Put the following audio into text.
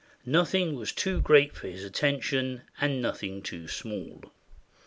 Noth ing was too great for his attention and nothing too small.